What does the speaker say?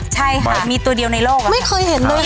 ใช่ค่ะมีตัวเดียวในโลกไม่เคยเห็นเลย